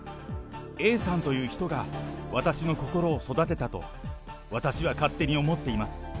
Ａさんという人が私の心を育てたと、私は勝手に思っています。